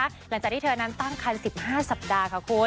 หลังจากที่เธอนั้นตั้งคัน๑๕สัปดาห์ค่ะคุณ